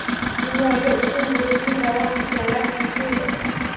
Dunyoga ustun bo‘lishni da’vo qilganlar qancha edi?